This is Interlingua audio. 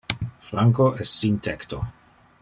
Franco es sin tecto.